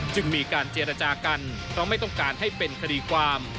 จึงมีการเจรจากันเพราะไม่ต้องการให้เป็นคดีความ